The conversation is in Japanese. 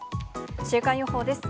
週間予報です。